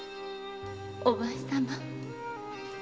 お前様。